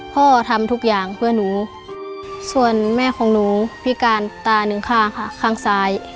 ทำทุกอย่างเพื่อหนูส่วนแม่ของหนูพิการตาหนึ่งข้างค่ะข้างซ้าย